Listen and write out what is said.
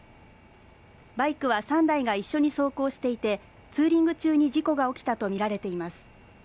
バイクは３台が一緒に走行していてツーリング中に事故が起きたとみられています。